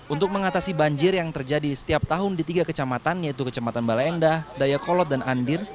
untuk mengatasi banjir yang terjadi setiap tahun di tiga kecamatan yaitu kecamatan bale endah dayakolot dan andir